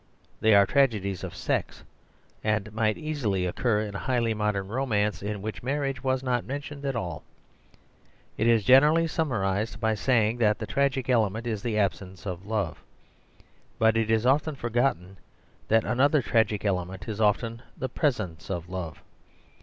They are tragedies of sex ; and might easily occur in a highly modern romance in which marriage was not mentioned at all. It is generally sum marised by saying that the tragic element is the absence of love. But it is often forgotten that another tragic element is often the presence of love.